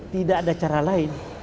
tidak ada cara lain